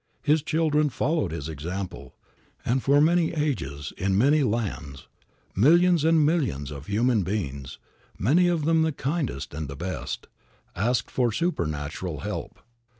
His children followed his example, and for many ages, in many lands, millions and millions of human beings, many of them the kindest and the best, asked for supernatural help.